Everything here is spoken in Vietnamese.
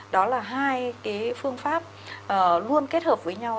đó là hai cái phương pháp luôn kết hợp với nhau